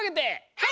はい！